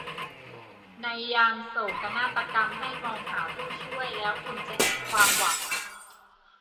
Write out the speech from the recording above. ในยามโศกนาฏกรรมให้มองหาผู้ช่วยแล้วคุณจะเห็นความหวัง